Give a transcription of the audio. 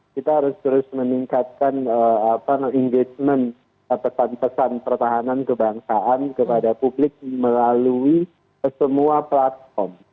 kita harus terus meningkatkan engagement pesan pesan pertahanan kebangsaan kepada publik melalui semua platform